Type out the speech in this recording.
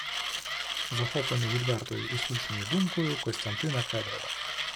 Захоплений відвертою і слушною думкою Костянтина Кедрова